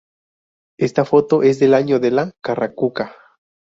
Esta foto es del año de la Carracuca